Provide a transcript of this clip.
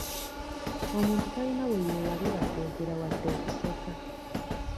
Omuntu talina we yeewalira kwogera wadde okuseka.